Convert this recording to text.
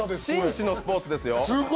紳士のスポーツですよ。